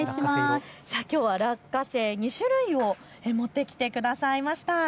きょうは落花生２種類を持ってきてくださいました。